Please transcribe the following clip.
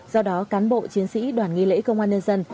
do đó cán bộ chiến sĩ đoàn nghi lễ công an nhân dân